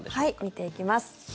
見ていきます。